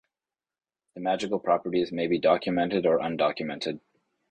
The magical properties may be documented or undocumented.